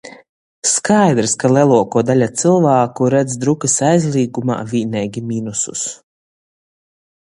Skaidrys, ka leluokuo daļa cylvāku redz drukys aizlīgumā vīneigi minusus.